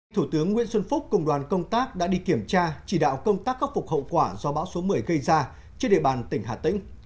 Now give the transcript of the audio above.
thủ tướng nguyễn xuân phúc cùng đoàn công tác đã đi kiểm tra chỉ đạo công tác khắc phục hậu quả do bão số một mươi gây ra trên địa bàn tỉnh hà tĩnh